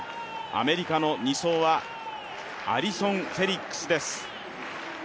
アメリカの２走はアリソン・フェリックスです。